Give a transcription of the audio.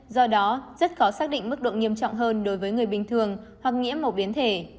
do đó rất khó xác định mức độ nghiêm trọng hơn đối với người bình thường hoặc nhiễm một biến thể